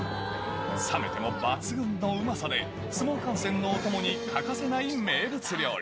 冷めても抜群のうまさで、相撲観戦のお供に欠かせない名物料理。